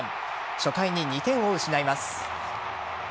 初回に２点を失います。